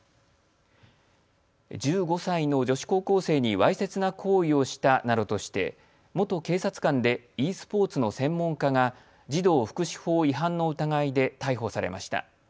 １５歳の女子高校生にわいせつな行為をしたなどとして元警察官でｅスポーツの専門家が児童福祉法違反の疑いで逮捕されました。